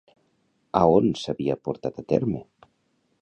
A on s'havia portat a terme?